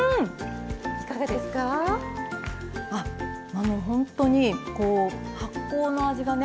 あのほんとにこう発酵の味がね